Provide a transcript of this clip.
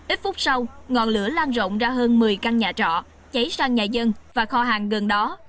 ít phút sau ngọn lửa lan rộng ra hơn một mươi căn nhà trọ cháy sang nhà dân và kho hàng gần đó